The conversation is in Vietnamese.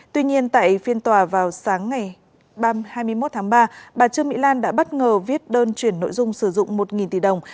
tuy nhiên tại phiên tòa vào sáng ngày hai mươi một tháng ba bà trương mỹ lan đã bất ngờ viết đơn chuyển nội dung sử dụng một tỷ đồng